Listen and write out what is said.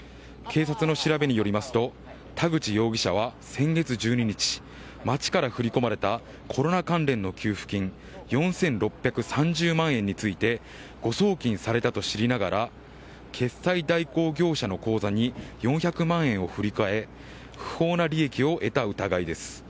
警察の調べによりますと田口容疑者は先月１２日町から振り込まれたコロナ関連の給付金４６３０万円について誤送金されたと知りながら決済代行業者の口座に４００万円を振り替え不法な利益を得た疑いです。